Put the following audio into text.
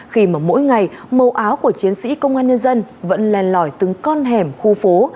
khi mà mỗi ngày màu áo của chiến sĩ công an nhân dân vẫn len lỏi từng con hẻm khu phố